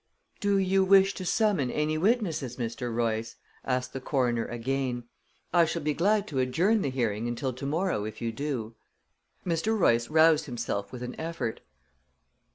"Do you wish to summon any witnesses, Mr. Royce?" asked the coroner again. "I shall be glad to adjourn the hearing until to morrow if you do." Mr. Royce roused himself with an effort.